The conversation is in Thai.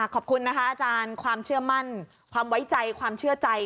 ขอบคุณนะคะอาจารย์ความเชื่อมั่นความไว้ใจความเชื่อใจ